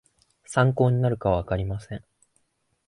参考になるかはわかりません